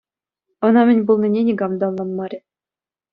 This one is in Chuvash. Ӑна мӗн пулнине никам та ӑнланмарӗ.